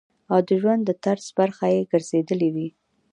او د ژوند د طرز برخه ئې ګرځېدلي وي -